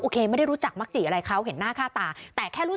ไม่ได้รู้จักมักจิอะไรเขาเห็นหน้าค่าตาแต่แค่รู้